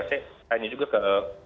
saya tanya juga ke